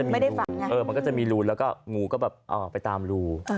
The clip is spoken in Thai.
มันก็จะมีรูแล้วก็งูก็ไปตามรู